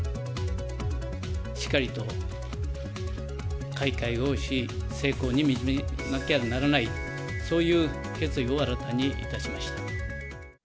しっかりと開会をし、成功に導かなきゃならない、そういう決意を新たにいたしまし